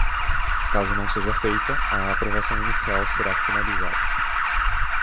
Caso não seja feita, a aprovação inicial será finalizada.